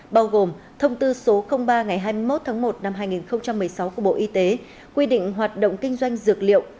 bao gồm thông tư số ba ngày hai mươi một tháng một năm hai nghìn một mươi sáu của bộ y tế quy định hoạt động kinh doanh dược liệu